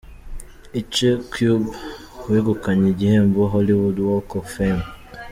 Ice Cube wegukanye igihembo ‘Hollywood Walk of Fame'.